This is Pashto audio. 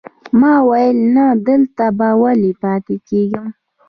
ما ویل نه، دلته به ولې پاتې کېږم.